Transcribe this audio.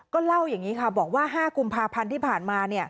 ก็เล่าอย่างนี้ค่ะบอกว่า๕กุมภาพันธ์ที่ผ่านมา